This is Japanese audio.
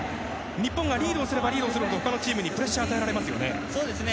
日本がリードすればリードするほど他のチームにプレッシャー与えられますよね。